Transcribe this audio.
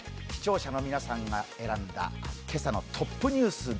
視聴者の皆さんが選んだ今朝のトップニュース